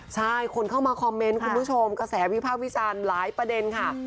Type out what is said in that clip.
ใช่คนเข้ามาคอมเมนต์คุณผู้ชมกระแสวิภาควิจารณ์หลายประเด็นค่ะ